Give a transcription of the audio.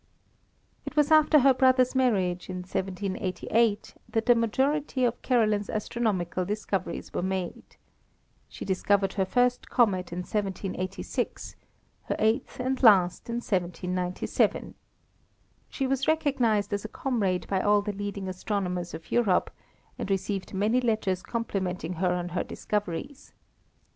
It was after her brother's marriage, in 1788, that the majority of Caroline's astronomical discoveries were made. She discovered her first comet in 1786, her eighth and last in 1797. She was recognised as a comrade by all the leading astronomers of Europe, and received many letters complimenting her on her discoveries.